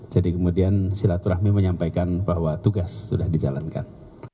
jadi kemudian silaturahmi menyampaikan bahwa tugas sudah dijalankan